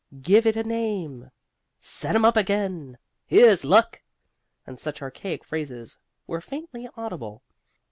"Give it a name," "Set 'em up again," "Here's luck," and such archaic phrases were faintly audible.